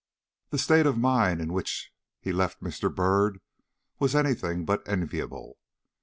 The state of mind in which he left Mr. Byrd was any thing but enviable.